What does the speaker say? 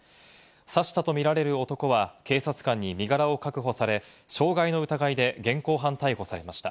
刺したとみられる男は警察官に身柄を確保され、傷害の疑いで現行犯逮捕されました。